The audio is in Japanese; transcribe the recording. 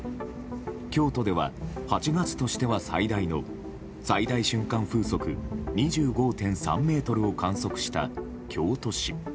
京都では８月としては最大の最大瞬間風速２５．３メートルを観測した京都市。